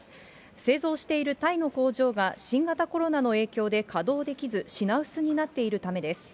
製造しているタイの工場が新型コロナの影響で稼働できず、品薄になっているためです。